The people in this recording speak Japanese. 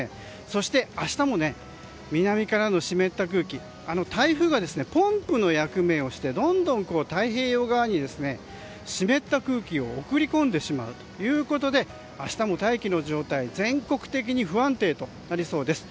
そして明日も南からの湿った空気台風はポンプの役目をしてどんどん太平洋側に湿った空気を送り込んでしまうということで明日も大気の状態全国的に不安定となりそうです。